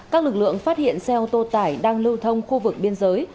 các lực lượng phát hiện xe ô tô tải đang lưu thông khu vực biên giới